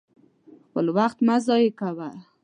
خپل وخت مه ضايع کوه!